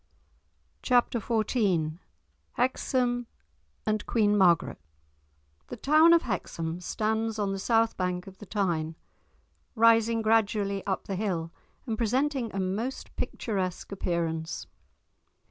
*Chapter XIV* *Hexham and Queen Margaret* The town of Hexham stands on the south bank of the Tyne, rising gradually up the hill and presenting a most picturesque appearance.